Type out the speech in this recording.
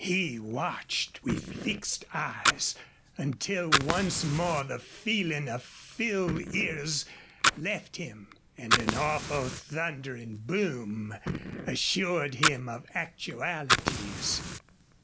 He watched with fixed eyes until once more the feeling of filled ears left him and an awful thundering boom assured him of actualities.